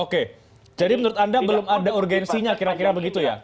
oke jadi menurut anda belum ada urgensinya kira kira begitu ya